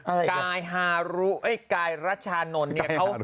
อะไรกันกายฮารุเอ้ยกายรัชานนท์เนี่ยเขา